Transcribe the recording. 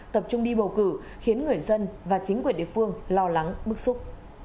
tập trung đi bầu cử khiến người dân và chính quyền địa phương lo lắng bức xúc